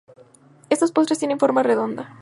Estos postres tienen forma redonda.